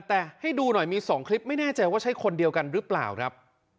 แต่ให้ดูหน่อยมี๒คลิปไม่แน่ใจว่าใช่คนเดียวกันหรือเปล่าครับ